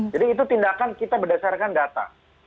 jadi itu tindakan kita berdasarkan data